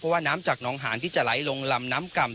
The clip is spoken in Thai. ว่าน้ำจากน้องหานที่จะไหลลงลำน้ำก่ำ